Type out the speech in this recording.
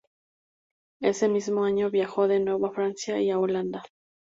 Ese mismo año viajó de nuevo a Francia y a Holanda.